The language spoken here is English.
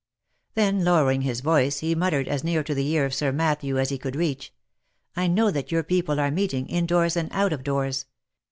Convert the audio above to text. Then lowering his voice, he muttered, as near to the ear of Sir Matthew as he could reach, " I know that your people are meeting, in doors and out of doors.